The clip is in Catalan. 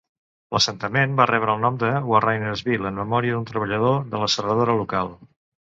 L'assentament va rebre el nom de Warrinersville, en memòria d'un treballador de la serradora local.